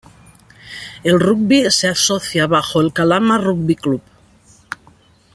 El rugby se asocia bajo el Calama Rugby Club.